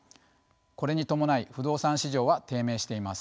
これに伴い不動産市場は低迷しています。